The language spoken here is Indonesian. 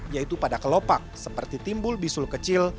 yaitu pada kelopak seperti timbul bisul kecil